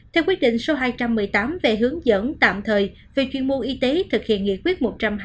theo quyết định số hai trăm một mươi tám về hướng dẫn tạm thời về chuyên môn y tế thực hiện nghị quyết một trăm hai mươi